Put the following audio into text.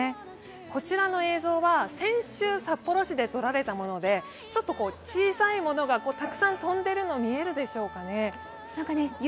こちらの映像は先週札幌市で撮られたものでちょっと小さいものがたくさん飛んでるの、見えるでしょうかね。